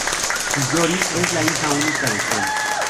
Hiyori es la hija única de Zen.